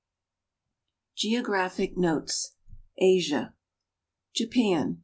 GEOGRAPHIC NOTES ASIA Japax.